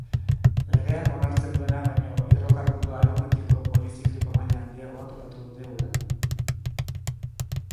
Legeak onartzen duena baino hidrokarburo aromatiko polizikliko maila handiagoa topatu dute uran.